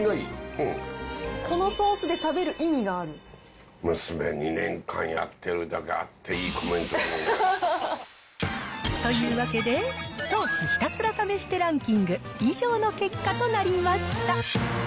このソースで食べる意味があ娘、２年間やってるだけあっというわけで、ソースひたすら試してランキング、以上の結果となりました。